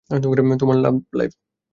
তোমার love life.